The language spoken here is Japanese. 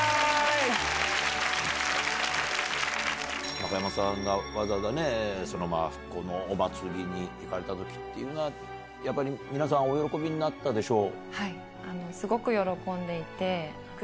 中山さんがわざわざ復興のお祭りに行かれた時っていうのはやっぱり皆さんお喜びになったでしょう？